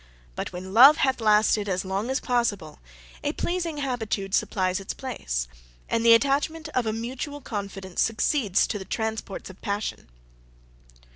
But when love hath lasted as long as possible, a pleasing habitude supplies its place, and the attachment of a mutual confidence succeeds to the transports of passion.